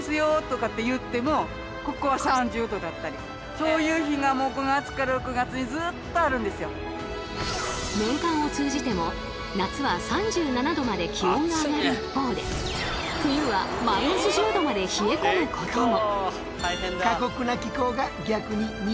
そういう日が年間を通じても夏は３７℃まで気温が上がる一方で冬はマイナス１０℃まで冷え込むことも。